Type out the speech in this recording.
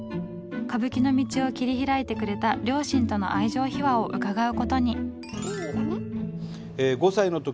歌舞伎の道を切り開いてくれた両親との愛情秘話を伺うことに。